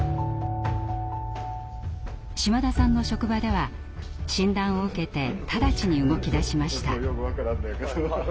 島田さんの職場では診断を受けて直ちに動きだしました。